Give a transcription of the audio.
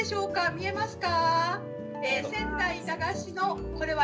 見えますか。